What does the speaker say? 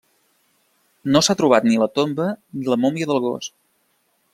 No s'ha trobat ni la tomba ni la mòmia del gos.